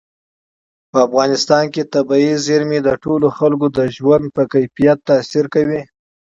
په افغانستان کې طبیعي زیرمې د ټولو خلکو د ژوند په کیفیت تاثیر کوي.